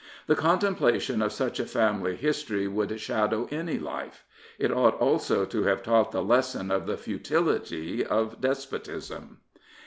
The contemplation of such a family history would shadow any life. It ought also to have taught the lesson of the futility of despotism.